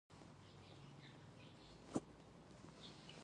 خپګان او غوسه دواړه د هغه په مخ کې ښکارېدل